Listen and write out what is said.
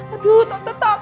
aduh tante takut